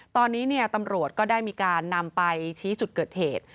ตอนนี้ตำรวจก็ได้มีการนำไปชี้จุดเกิดเหตุ